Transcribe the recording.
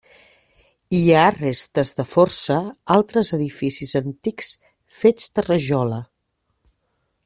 Hi ha restes de força altres edificis antics fets de rajola.